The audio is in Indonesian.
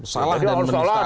salah dan menista agama